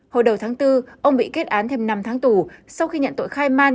hồi đầu tháng bốn ông bị kết án thêm năm tháng tù sau khi nhận tội khai man